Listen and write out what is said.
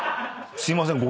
すいません。